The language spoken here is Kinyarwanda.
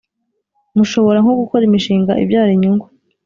mushobora nko gukorana imishinga ibyara inyungu,